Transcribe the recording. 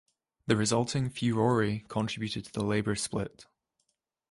The resulting furore contributed to the Labor Split.